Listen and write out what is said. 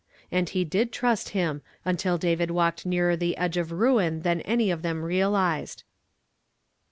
And he did trust him until David walked nearer the edge of ruin than any of them realized.